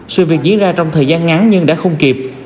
sự việc diễn ra trong thời gian ngắn nhưng đã không kịp